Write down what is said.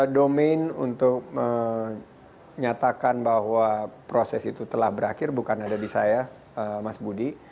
domain untuk menyatakan bahwa proses itu telah berakhir bukan ada di saya mas budi